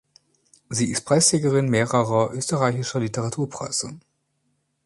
Sie ist Preisträgerin mehrerer österreichischer Literaturpreise.